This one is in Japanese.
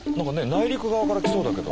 内陸側から来そうだけど。